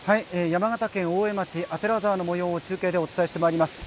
山形県大江町左沢のもようを中継でお伝えしてまいります。